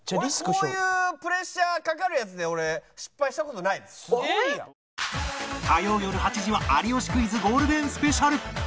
こういうプレッシャーかかるやつで俺火曜よる８時は『有吉クイズ』ゴールデンスペシャル